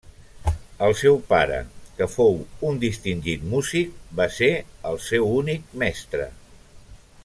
El seu pare, que fou un distingit músic, va ser el seu únic mestre.